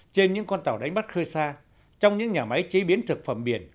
trên những con tàu đánh bắt khơi xa trong những nhà máy chế biến thực phẩm biển